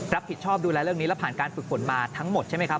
รับผิดชอบดูแลเรื่องนี้และผ่านการฝึกฝนมาทั้งหมดใช่ไหมครับ